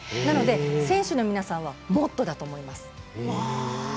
なので、選手の皆さんはもっとだと思います。